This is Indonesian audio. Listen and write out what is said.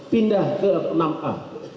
pindah ke enam a